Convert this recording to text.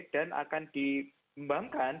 dan akan dikembangkan